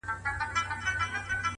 او په لوړ ږغ په ژړا سو؛